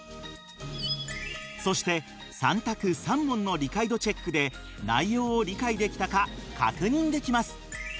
そして３択３問の理解度チェックで内容を理解できたか確認できます。